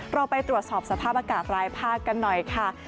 เราไปตรวจสอบสภาพอากาศรายภาคกันหน่อยค่ะ